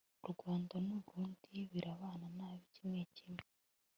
u rwanda n'u burundi birabana nabi, kimwe kimwe